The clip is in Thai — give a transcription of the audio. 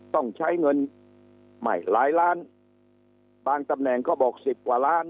ต้องใช้เงินไม่หลายล้านบางตำแหน่งก็บอกสิบกว่าล้าน